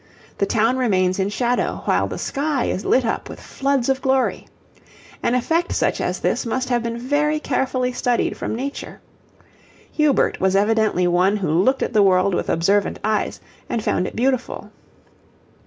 The town remains in shadow, while the sky is lit up with floods of glory. An effect such as this must have been very carefully studied from nature. Hubert was evidently one who looked at the world with observant eyes and found it beautiful.